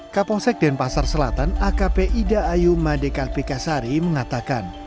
kapolsek denpasar selatan akp ida ayu madekal pikasari mengatakan